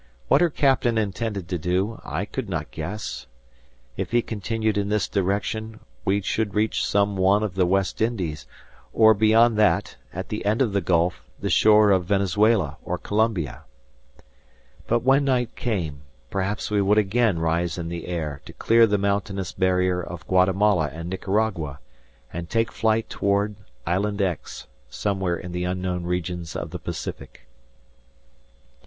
What her captain intended to do, I could not guess. If he continued in this direction, we should reach some one of the West Indies, or beyond that, at the end of the Gulf, the shore of Venezuela or Colombia. But when night came, perhaps we would again rise in the air to clear the mountainous barrier of Guatemala and Nicaragua, and take flight toward Island X, somewhere in the unknown regions of the Pacific.